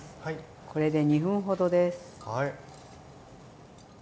これで２分ほどです。